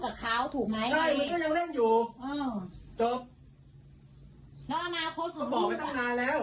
การประกัปไม่ควรจากงานนี่มันประกัปได้ไหม